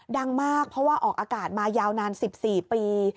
ดังมากเพราะว่าออกอากาศมายาวนาน๑๔ปี